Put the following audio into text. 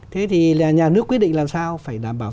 thế thì nhà nước quyết định làm sao phải đảm bảo